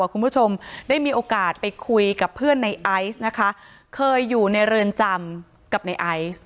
คุณผู้ชมได้มีโอกาสไปคุยกับเพื่อนในไอซ์นะคะเคยอยู่ในเรือนจำกับในไอซ์